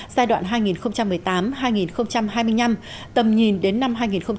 giai đoạn hai nghìn một mươi tám hai nghìn hai mươi năm tầm nhìn đến năm hai nghìn ba mươi